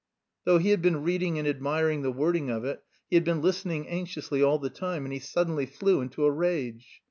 Though he had been reading and admiring the wording of it, he had been listening anxiously all the time, and he suddenly flew into a rage.